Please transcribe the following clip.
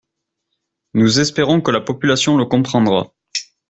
Nous espérons que la population le comprendra.